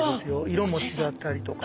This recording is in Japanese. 色も違ったりとか。